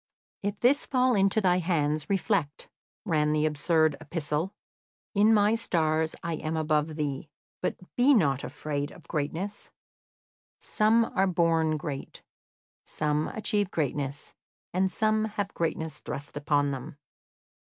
"If this fall into thy hands, reflect," ran the absurd epistle. "In my stars I am above thee, but be not afraid of greatness; some are born great, some achieve greatness, and some have greatness thrust upon them.